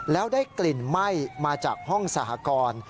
แล้วได้กลิ่นไหม้มาจากห้องสหกร